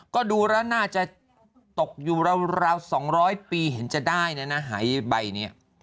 ก็ดูแล้วน่าจะตกอยู่ราว๒๐๐ปีเห็นจะได้นะหายใบนี้